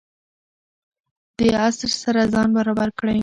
د عصر سره ځان برابر کړئ.